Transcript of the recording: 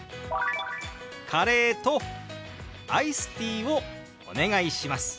「カレーとアイスティーをお願いします」。